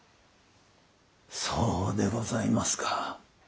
そうでございますか。